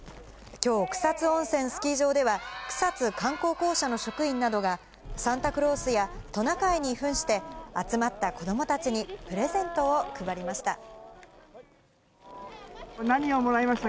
きょう、草津温泉スキー場では、草津観光公社の職員などが、サンタクロースやトナカイにふんして、集まった子どもたちにプレゼントを配りました。